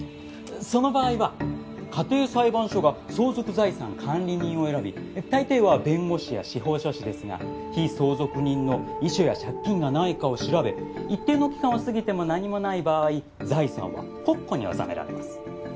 その場合は家庭裁判所が相続財産管理人を選び大抵は弁護士や司法書士ですが被相続人の遺書や借金がないかを調べ一定の期間を過ぎても何もない場合財産は国庫に納められます。